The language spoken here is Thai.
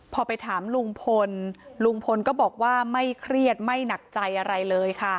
พอไปถามลุงพลลุงพลก็บอกว่าไม่เครียดไม่หนักใจอะไรเลยค่ะ